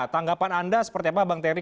tanggapan anda seperti apa bang terry